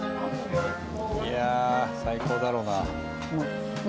いや最高だろうな。